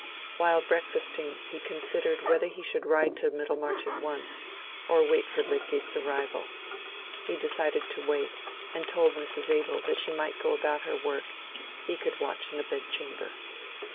While breakfasting he considered whether he should ride to Middlemarch at once, or wait for Lydgate's arrival. He decided to wait, and told Mrs. Abel that she might go about her work—he could watch in the bed chamber.